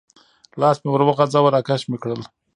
لاس مې ور وغځاوه، را کش مې کړل.